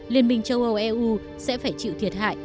liên minh châu âu eu sẽ phải chịu thiệt hại